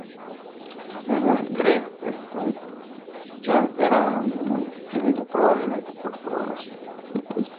Según Greg Stump, John era un hombre muy tímido, probablemente por su obesidad.